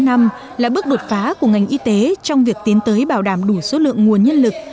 dự án năm trăm tám mươi năm là bước đột phá của ngành y tế trong việc tiến tới bảo đảm đủ số lượng nguồn nhân lực